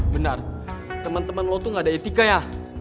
benar temen temen lo tuh gak ada etika ya